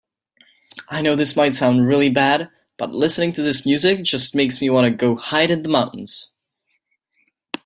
I know this might sound really bad, but listening to this music just makes me want to go hide in the mountains.